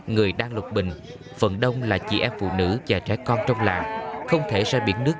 người đang lục bình phận đông là chị em phụ nữ và trái con trong làm không thể ra biển nước